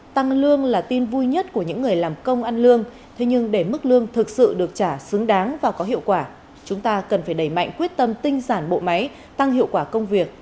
tăng lương là tin vui nhất của những người làm công ăn lương thế nhưng để mức lương thực sự được trả xứng đáng và có hiệu quả chúng ta cần phải đẩy mạnh quyết tâm tinh giản bộ máy tăng hiệu quả công việc